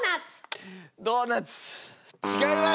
ドーナツ違います！